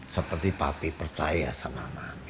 seperti mami percaya sama mami